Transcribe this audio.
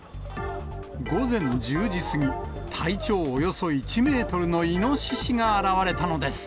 午前１０時過ぎ、体長およそ１メートルのイノシシが現れたのです。